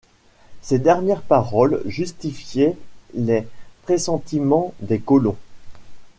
Ces dernières paroles justifiaient les pressentiments des colons.